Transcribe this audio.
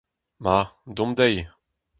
Ma. Deomp dezhi.